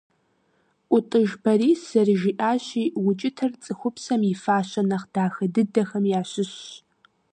ӀутӀыж Борис зэрыжиӀащи укӀытэр цӀыхупсэм и фащэ нэхъ дахэ дыдэхэм ящыщщ.